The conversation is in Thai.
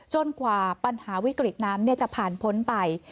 กว่าปัญหาวิกฤตน้ำจะผ่านพ้นไป